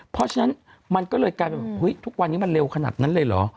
เพราะฉะนั้นมันก็เลยกลายเป็นแบบเฮ้ยทุกวันนี้มันเร็วขนาดนั้นเลยเหรอ